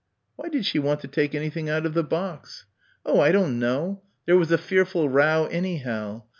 "Why did she want to take anything out of the box?" "Oh, I don't know. There was a fearful row anyhow.